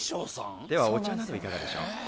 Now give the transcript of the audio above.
ではお茶などいかがでしょう？